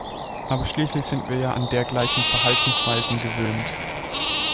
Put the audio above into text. Aber schließlich sind wir ja an dergleichen Verhaltensweisen gewöhnt.